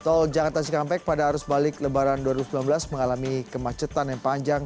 tol jakarta cikampek pada arus balik lebaran dua ribu sembilan belas mengalami kemacetan yang panjang